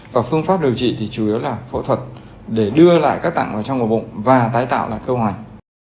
và phương pháp điều trị thì chủ yếu là phẫu thuật để đưa lại các tặng vào trong ngồi bụng và tái tạo là cơ hoành